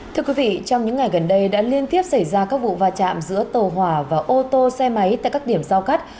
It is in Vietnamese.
thưa quý vị trong những ngày gần đây đã liên tiếp xảy ra các vụ va chạm giữa tàu hỏa và ô tô xe máy tại các điểm giao cắt